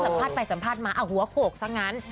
สัมภาษณ์ไปสัมภาษณ์มาหัวโขกซะงั้น